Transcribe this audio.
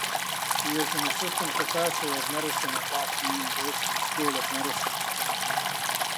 He is an assistant professor of medicine at Boston University School of Medicine.